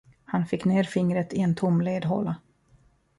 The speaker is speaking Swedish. Han fick ner fingret i en tom ledhåla.